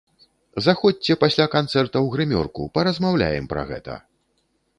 Заходзьце пасля канцэрта ў грымёрку, паразмаўляем пра гэта!